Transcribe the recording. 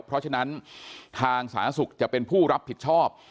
เพราะฉะนั้นทางสาธารณสุขจะเป็นผู้รับผิดชอบ